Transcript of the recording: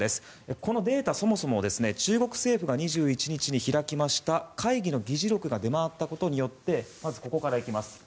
このデータ、そもそも中国政府が２１日に開きました会議の議事録が出回ったことによってまずここから行きます。